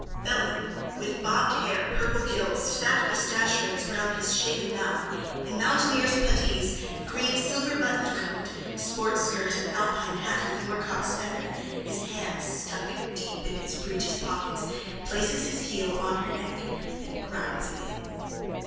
_ BELLO: _(With bobbed hair, purple gills, fat moustache rings round his shaven mouth, in mountaineer's puttees, green silverbuttoned coat, sport skirt and alpine hat with moorcock's feather, his hands stuck deep in his breeches pockets, places his heel on her neck and grinds it in.)